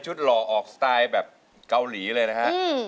คุณนิกนี่๑๐๐ไหมฮะ